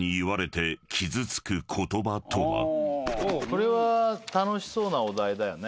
これは楽しそうなお題だよね。